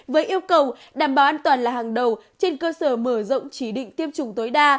với yêu cầu đảm bảo an toàn là hàng đầu trên cơ sở mở rộng chỉ định tiêm chủng tối đa